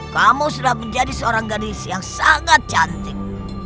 kamu sudah menjadi seorang gadis yang sangat cantik